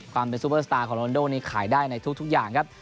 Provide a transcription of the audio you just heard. ความเป็นซูเปอร์สตาร์ของโรนโดนี้ขายได้ในทุกอย่างครับ